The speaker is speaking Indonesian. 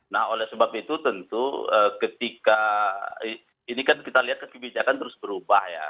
nah oleh sebab itu tentu ketika ini kan kita lihat kebijakan terus berubah ya